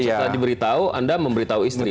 setelah diberitahu anda memberitahu istri